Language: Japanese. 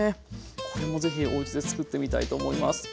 これもぜひおうちで作ってみたいと思います。